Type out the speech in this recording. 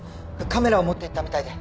カメラを持っていたみたいで。